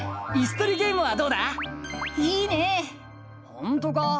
ほんとか？